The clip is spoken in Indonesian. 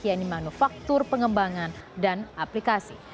yaitu manufaktur pengembangan dan aplikasi